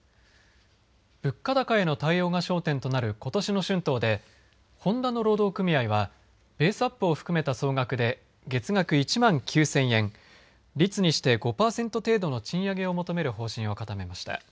物価高への対応が焦点となることしの春闘でホンダの労働組合はベースアップを含めた総額で月額１万９０００円率にして５パーセント程度の賃上げを求める方針を固めました。